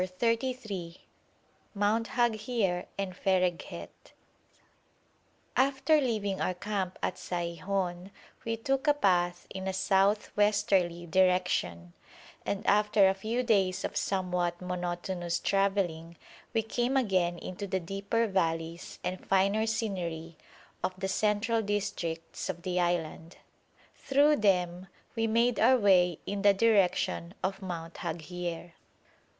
CHAPTER XXXIII MOUNT HAGHIER AND FEREGHET After leaving our camp at Saihon we took a path in a south westerly direction, and after a few days of somewhat monotonous travelling we came again into the deeper valleys and finer scenery of the central districts of the island. Through them we made our way in the direction of Mount Haghier.